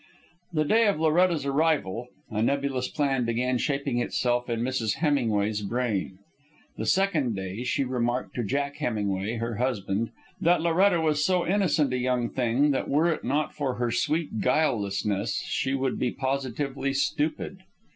The day of Loretta's arrival, a nebulous plan began shaping itself in Mrs. Hemingway's brain. The second day she remarked to Jack Hemingway, her husband, that Loretta was so innocent a young thing that were it not for her sweet guilelessness she would be positively stupid.